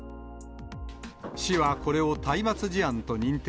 市はこれを体罰事案と認定。